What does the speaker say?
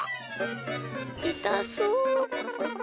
いたそう。